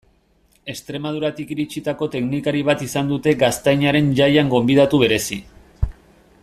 Extremaduratik iritsitako teknikari bat izan dute Gaztainaren Jaian gonbidatu berezi.